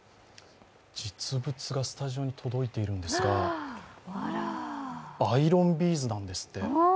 実物がスタジオに届いているんですがアイロンビーズなんですって。